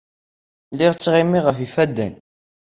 Lliɣ ttɣimiɣ ɣef yifadden.